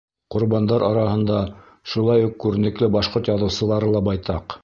Ҡорбандар араһында шулай уҡ күренекле башҡорт яҙыусылары ла байтаҡ.